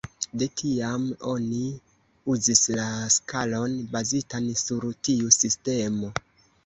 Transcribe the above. De tiam oni uzis la skalon bazitan sur tiu sistemo.